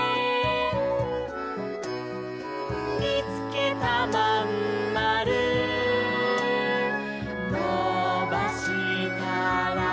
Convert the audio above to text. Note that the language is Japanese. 「みつけたまんまるのばしたら」